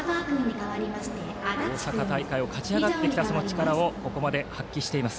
大阪大会を勝ち上がってきたその力をここまで発揮しています